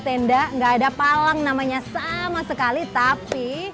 tenda gak ada palang namanya sama sekali tapi